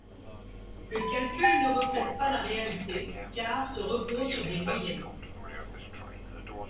Le calcul ne reflète pas la réalité car se repose sur des moyennes.